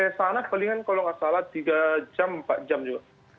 di sana palingan kalau nggak salah tiga jam empat jam juga